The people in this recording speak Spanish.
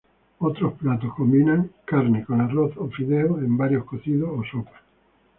Otros platos combinan carne con arroz o fideos en varios cocidos o sopas.